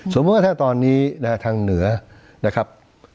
สมมุติว่าถ้าตอนนี้นะฮะทางเหนือนะครับ